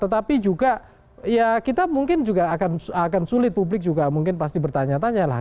tetapi juga ya kita mungkin juga akan sulit publik juga mungkin pasti bertanya tanya lah